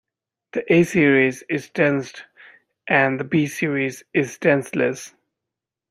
The A-Series is tensed and the B-series is tenseless.